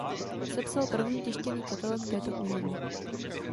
Sepsal první tištěný katalog této knihovny.